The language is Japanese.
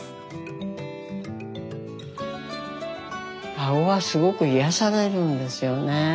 かごはすごく癒やされるんですよね。